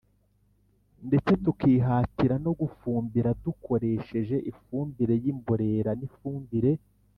ndetse tukihatira no gufumbira dukoresha ifumbire y’imborera n’ifumbire